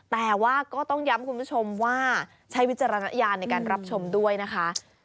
แต่ว่าก็ต้องย้ำคุณผู้ชมว่าใช้วิจารณญาณในการรับชมด้วยนะคะ